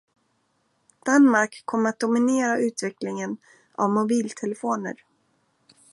Danmark kom att dominera utvecklingen av mobiltelefoner